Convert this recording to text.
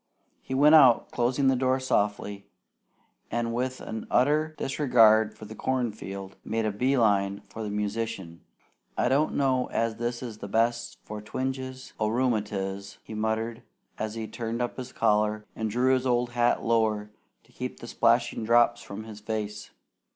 He went out, closing the door softly, and with an utter disregard for the corn field, made a bee line for the musician. "I don't know as this is the best for twinges o' rheumatiz," he muttered, as he turned up his collar and drew his old hat lower to keep the splashing drops from his face.